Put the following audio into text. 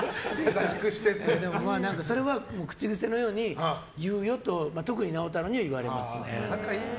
それは口癖のように言うよと特に直太朗には言われますね。